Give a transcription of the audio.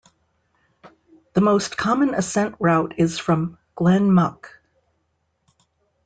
The most common ascent route is from Glen Muick.